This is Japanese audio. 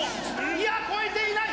いや越えていない！